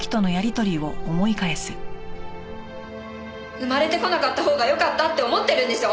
生まれてこなかったほうがよかったって思ってるんでしょ？